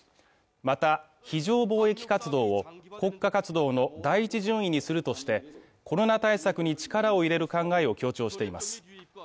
また、非常防疫活動を国家活動の第一順位にするとしてコロナ対策に力を入れる考えを強調しています。